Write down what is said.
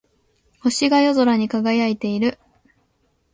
星が夜空に輝いている。